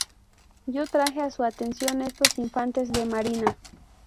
Yo traje a su atención estos infantes de marina.